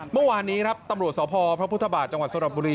เมื่อวานนี้ตำรวจสพพฤพธบาทจังหวัดสรบบุรี